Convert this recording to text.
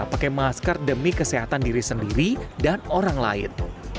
pakai masker demi kesehatan diri sendiri dan orang lain